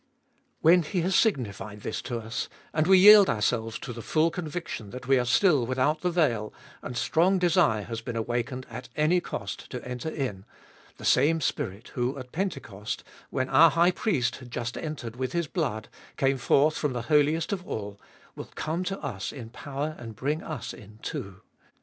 When He has signified this to us, and we yield ourselves to the full conviction that we are still without the veil, and strong desire has been awakened at any cost to enter in, the same Spirit who at Pentecost, when our High Priest had just entered with His blood, came forth from the Holiest of All, will come to us in power and bring us in too.